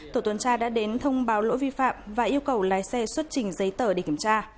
tổ tuần tra đã đến thông báo lỗi vi phạm và yêu cầu lái xe xuất trình giấy tờ để kiểm tra